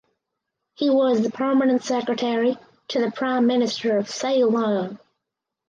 He was the Permanent Secretary to the Prime Minister of Ceylon.